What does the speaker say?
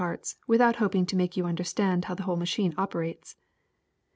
'^'''^^'"^ parts, without hoping to make you understand how the whole machine operates.